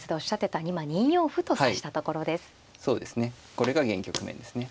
これが現局面ですね。